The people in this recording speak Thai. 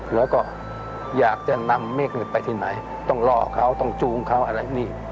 แล้วก็อยากจะนำเมฆไปที่ไหนต้องล่อเขาต้องจูงเขาอะไรนี่